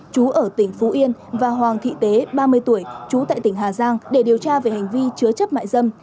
chú ở tỉnh phú yên và hoàng thị tế ba mươi tuổi trú tại tỉnh hà giang để điều tra về hành vi chứa chấp mại dâm